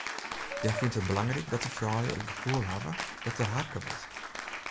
Hja fynt it belangryk dat de froulju it gefoel hawwe dat der harke wurdt.